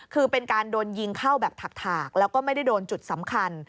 คือเป็นการโดนยิงเข้าแบบถากแล้วก็ไม่ได้โดนจุดสำคัญ